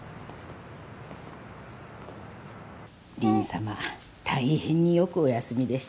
凛さま大変によくお休みでした。